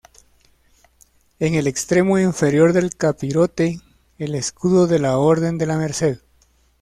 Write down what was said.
En el extremo inferior del capirote el escudo de la Orden de la Merced.